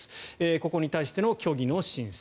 ここに対しての虚偽の申請。